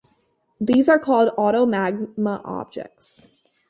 These are called auto magma objects.